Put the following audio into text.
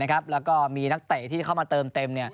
แล้วก็มีนักเตะที่เข้ามาเติมเต็ม